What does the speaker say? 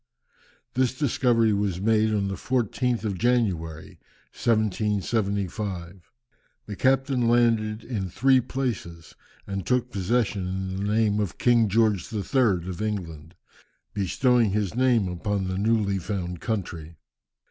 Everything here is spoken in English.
This discovery was made on the 14th of January, 1775. The captain landed in three places and took possession in the name of King George III. of England, bestowing his name upon the newly found country.